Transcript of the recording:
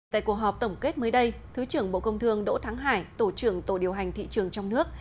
tại cuộc họp tổng kết mới đây thứ trưởng bộ công thương đỗ thắng hải tổ trưởng tổ điều hành thị trường trong nước